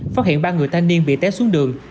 phát hiện ba người thanh niên bị té xuống đường